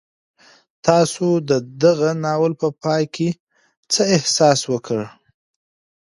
تاسو د دغه ناول په پای کې څه احساس وکړ؟